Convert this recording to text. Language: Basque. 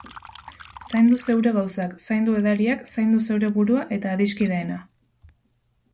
Zaindu zeure gauzak, zaindu edariak, zaindu zeure burua eta adiskideena.